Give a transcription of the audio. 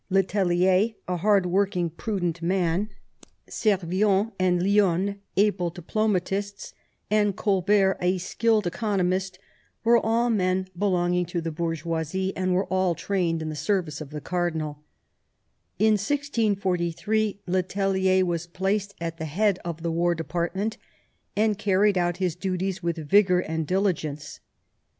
Le Tellier, a hard working, prudent man, Servien and Lionne, able diplomatists, and Colbert, a skilled economist, were all men belonging to the bourgeoisie, and were all trained in the service of the cardinal In 1643 le Tellier was placed at the head of the war department^ and carried , out his duties with vigour and diligence.